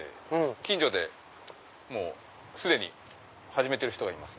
近所で既に始めてる人がいます。